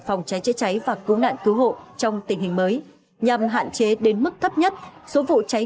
phòng cháy chữa cháy và cứu nạn cứu hộ trong tình hình mới nhằm hạn chế đến mức thấp nhất số vụ cháy